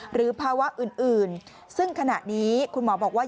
หรือภาวะอื่นซึ่งขณะนี้คุณหมอบอกว่า